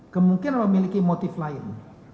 kemungkinan memiliki motif lain